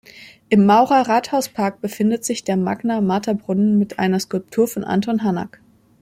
Im Maurer Rathauspark befindet sich der Magna-Mater-Brunnen mit einer Skulptur von Anton Hanak.